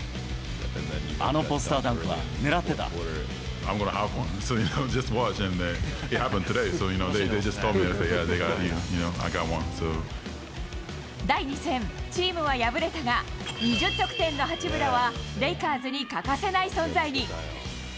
あのポスターダンクはねらっ第２戦、チームは敗れたが、２０得点の八村はレイカーズに欠かせない存在に。